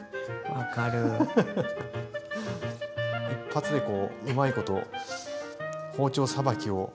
一発でこううまいこと包丁さばきを。